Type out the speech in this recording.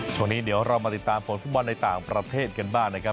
ช่วงนี้เดี๋ยวเรามาติดตามผลฟุตบอลในต่างประเทศกันบ้างนะครับ